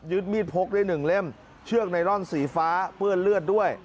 มีดพกได้หนึ่งเล่มเชือกไนรอนสีฟ้าเปื้อนเลือดด้วย